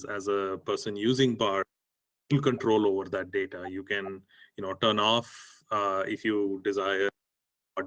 anda bisa menyalahkan dan menghapus data yang anda inginkan